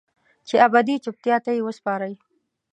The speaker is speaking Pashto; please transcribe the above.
چې ابدي چوپتیا ته یې وسپارئ